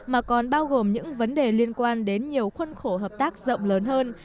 mà còn bao gồm những vấn đề liên quan đến nhiều khuân khổ hợp tác rộng lớn hơn